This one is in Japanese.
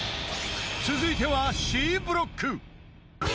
［続いてはＣブロック］